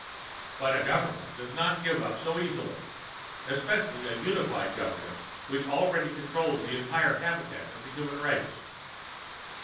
But a government does not give up so easily, especially a unified government which already controls the entire habitat of the human race.